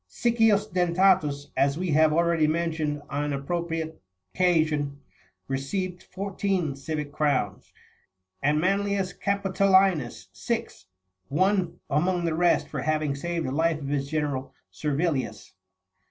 Siccius Dentatus, as we have already mentioned36 on an appropriate occasion, received fourteen civic crowns, and Manlius Capitolinus37 six,38 one, among the rest, for having saved the life of his general, Ser vilius.